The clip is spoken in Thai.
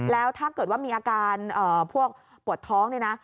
แล้วถ้าเกิดว่ามีอาการพวกปวดท้องเนี่ยนะ